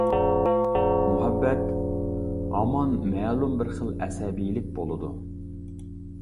مۇھەببەت ھامان مەلۇم بىر خىل ئەسەبىيلىك بولىدۇ.